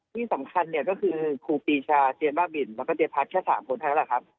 ที่สำคัญเนี่ยก็คือครูปีชาเจ๊บ้าบินแล้วก็เจ๊พัดแค่๓คนเท่านั้นแหละครับ